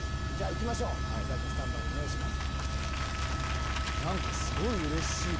行きましょう菅田君スタンバイのほうお願いします。